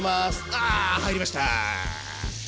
あ入りました。